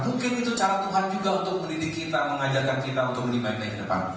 mungkin itu cara tuhan juga untuk mendidik kita mengajarkan kita untuk menikmati kehidupan